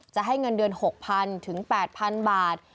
จะให้เงินเดือน๖๐๐๐ถึง๘๐๐๐บาท